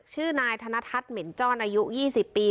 ชื่อนายธนทัศน์เหม็นจ้อนอายุ๒๐ปี